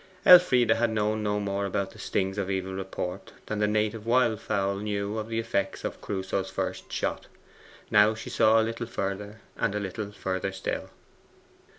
Elfride had known no more about the stings of evil report than the native wild fowl knew of the effects of Crusoe's first shot. Now she saw a little further, and a little further still.